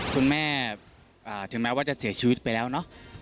คุณแม่ถึงแม้ว่าจะเสียชีวิตไปแล้วเนอะ